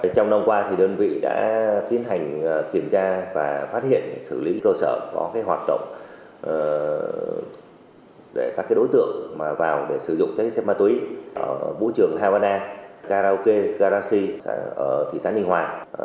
trong năm qua đơn vị đã tiến hành kiểm tra và phát hiện xử lý cơ sở có hoạt động để các đối tượng vào để sử dụng trái phép ma túy ở vũ trường havana karaoke garage thị xã ninh hoa